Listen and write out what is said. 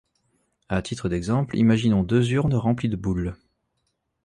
À titre d’exemple, imaginons deux urnes remplies de boules.